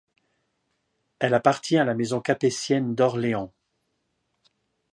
Elle appartient à la maison capétienne d’Orléans.